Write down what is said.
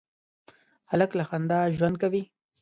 هلک له خندا ژوند کوي.